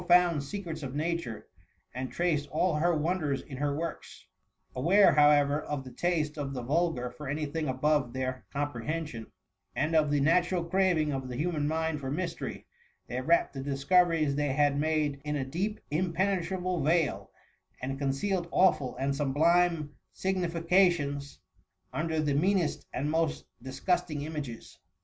193 found secrets of Nature, and traced all her won ders in her works : aware, however, of the taste of the vulgar for any thing above their com prehension, and of the natural craving of the human mind for mystery, they wrapped the discoveries they had made in a deep impene* trable veil^ and concealed awful and sublime significations under the meanest and most dis gusting images.